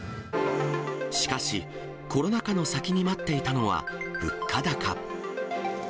しかし、コロナ禍の先に待っていたのは、物価高。